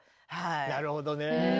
なるほどね。